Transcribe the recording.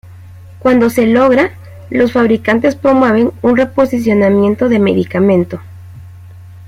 Cuando se logra, los fabricantes promueven un reposicionamiento de medicamento.